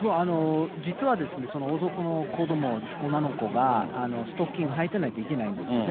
実はですね、王族の子ども、女の子がストッキング履いてないといけないんですよね。